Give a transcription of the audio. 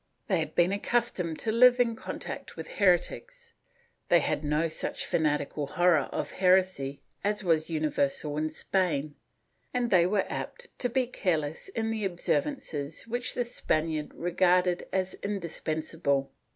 They had been accus tomed to live in contact with heretics; they had no such fanatical horror of heresy as was universal in Spain, and they were apt to be careless in the observances which the Spaniard regarded as indispensable.